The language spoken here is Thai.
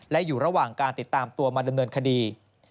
และอยู่ระหว่างการติดตามตัวมาดำเนินคดี